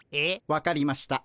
分かりました。